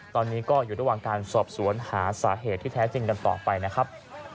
ตอนนี้ก็อยู่ระหว่างการสอบสวนหาสาเหตุที่แท้จริงกันต่อไปนะครับ